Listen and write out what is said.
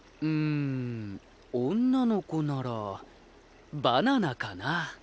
うん女の子ならバナナかな。